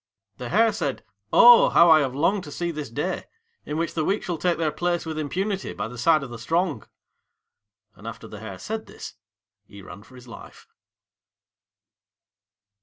The Hare said, "Oh, how I have longed to see this day, in which the weak shall take their place with impunity by the side of the strong." And after the Hare said this, he ran for his life.